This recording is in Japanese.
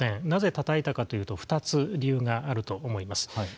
なぜ、たたいたかというと２つ理由があると思います。